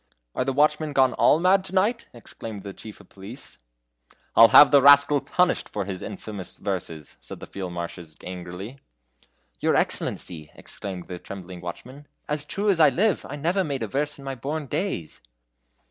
"Are the watchmen gone all mad to night?" exclaimed the chief of police. "I'll have the rascal punished for his infamous verses," said the Field Marshal angrily. "Your excellency," exclaimed the trembling watchman, "as true as I live, I never made a verse in my born days."